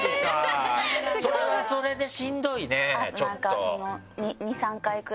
それはそれでしんどいねちょっと。